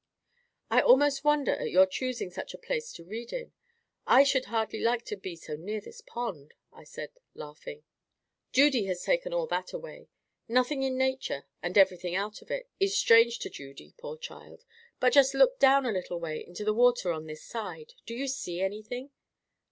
"I almost wonder at your choosing such a place to read in. I should hardly like to be so near this pond," said I, laughing. "Judy has taken all that away. Nothing in nature, and everything out of it, is strange to Judy, poor child! But just look down a little way into the water on this side. Do you see anything?"